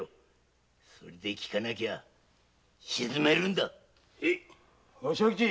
それで効かなきゃ沈めるんだ庄吉。